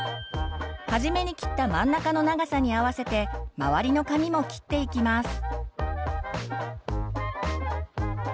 初めに切った真ん中の長さに合わせて周りの髪も切っていきます。